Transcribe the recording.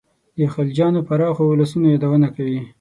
د خلجیانو پراخو اولسونو یادونه کوي.